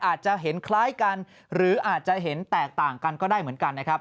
อาจจะเห็นคล้ายกันหรืออาจจะเห็นแตกต่างกันก็ได้เหมือนกันนะครับ